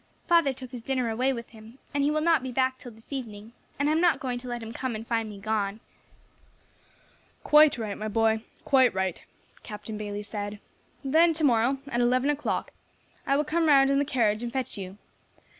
Father took his dinner away with him, and he will not be back till this evening, and I am not going to let him come and find me gone." "Quite right, my boy, quite right," Captain Bayley said. "Then to morrow, at eleven o'clock, I will come round in the carriage and fetch you.